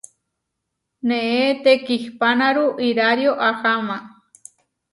Neé tekihpánaru irário aháma.